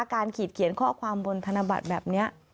ขีดเขียนข้อความบนธนบัตรแบบนี้